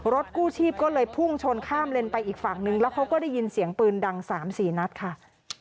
กู้ชีพก็เลยพุ่งชนข้ามเลนไปอีกฝั่งนึงแล้วเขาก็ได้ยินเสียงปืนดัง๓๔นัดค่ะ